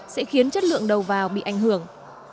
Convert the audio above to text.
sẽ khiến chất lượng đầu vào bị ảnh hưởng